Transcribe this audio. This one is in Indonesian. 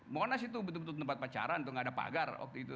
monash itu betul betul tempat pacaran itu gak ada pagar waktu itu